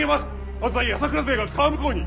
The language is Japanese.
浅井朝倉勢が川向こうに。